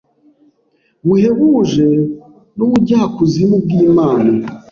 buhebuje nubujyakuzimu bwimpano